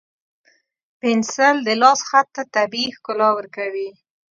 پنسل د لاس خط ته طبیعي ښکلا ورکوي.